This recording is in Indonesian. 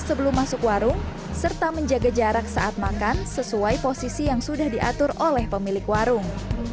sebelum masuk warung serta menjaga jarak saat makan sesuai posisi yang sudah diatur oleh pemilik warung